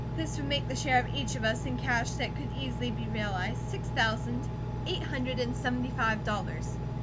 This would make the share of each of us in cash that could easily be realized, six thousand eight hundred and seventy five dollars.